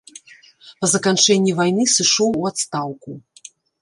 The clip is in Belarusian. Па заканчэнні вайны сышоў у адстаўку.